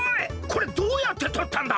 これどうやってとったんだ！？